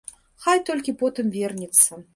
Хай толькі потым вернецца.